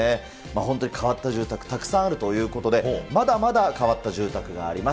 本当に変わった住宅、たくさんあるということで、まだまだ変わった住宅があります。